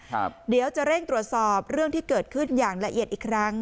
เดี๋ยวจะเร่งตรวจสอบเรื่องที่เกิดขึ้นอย่างละเอียดอีกครั้ง